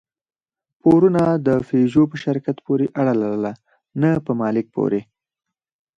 پورونو د پيژو په شرکت پورې اړه لرله، نه په مالک پورې.